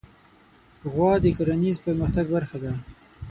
غوا د کرهڼیز پرمختګ برخه ده.